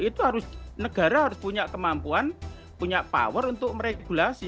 itu harus negara harus punya kemampuan punya power untuk meregulasi